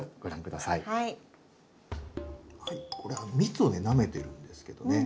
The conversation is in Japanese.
これ蜜をなめてるんですけどね。